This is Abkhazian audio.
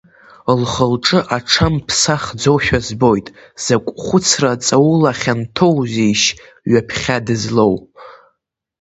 Лхы-лҿы аҽамԥсахӡошәа збоит, закә хәыцра ҵаулахьанҭоузеишь ҩаԥхьа дызлоу?